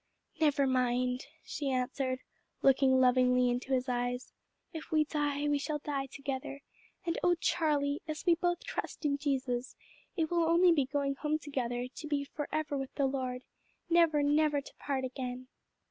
"Never mind," she answered, looking lovingly into his eyes, "if we die, we shall die together; and O Charlie, as we both trust in Jesus, it will only be going home together to be 'forever with the Lord,' never, never to part again!"